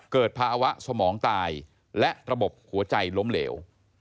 เกิดภาวะสมองตายและระบบหัวใจล้มเหลว